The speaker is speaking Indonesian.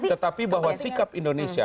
tetapi bahwa sikap indonesia